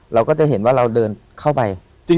เราก็จะเห็นว่าเราเดินเข้าไป